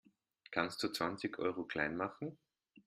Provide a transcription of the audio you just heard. Kannst du zwanzig Euro klein machen?